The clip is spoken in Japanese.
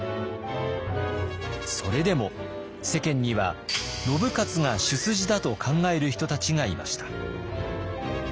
それでも世間には信雄が主筋だと考える人たちがいました。